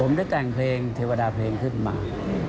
ผมได้แต่งเพลงเทวดาเพลงขึ้นมา